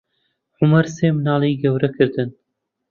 عومەر سێ منداڵی گەورە کردن.